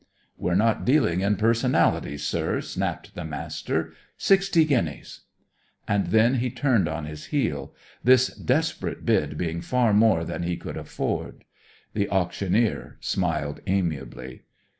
"We're not dealing in personalities, sir," snapped the Master. "Sixty guineas!" And then he turned on his heel; this desperate bid being far more than he could afford. The auctioneer smiled amiably.